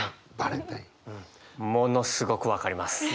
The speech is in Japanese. ものすごく分かります。